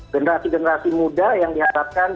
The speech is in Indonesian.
generasi generasi muda yang diharapkan